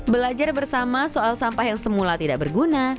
belajar bersama soal sampah yang semula tidak berguna